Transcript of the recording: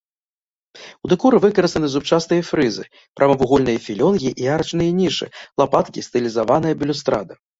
У дэкоры выкарыстаны зубчастыя фрызы, прамавугольныя філёнгі і арачныя нішы, лапаткі, стылізаваная балюстрада.